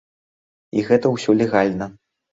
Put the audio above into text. І гэта ўсё легальна.